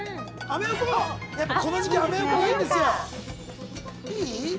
この時期はアメ横がいいですよ。